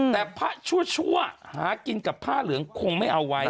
แต่พระชั่วหากินกับผ้าเหลืองคงไม่เอาไว้